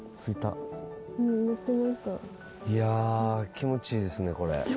気持ちいいですね。